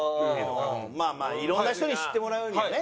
まあまあいろんな人に知ってもらうにはね。